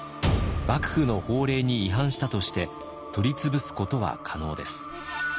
幕府の法令に違反したとして取り潰すことは可能です。